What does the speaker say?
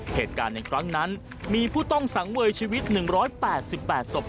เหตุการณ์ในครั้งนั้นมีผู้ต้องสังเวยชีวิต๑๘๘ศพ